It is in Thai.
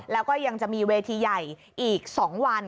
แล้วก็ยังจะมีเวทีใหญ่อีก๒วัน